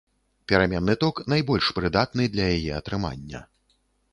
Пераменны ток найбольш прыдатны для яе атрымання.